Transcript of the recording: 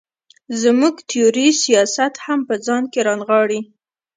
زموږ تیوري سیاست هم په ځان کې را نغاړي.